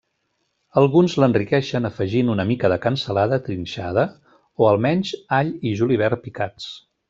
Alguns l'enriqueixen afegint una mica de cansalada trinxada o almenys all i julivert picats.